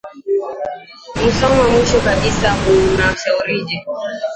musoma mwisho kabisa unashaurije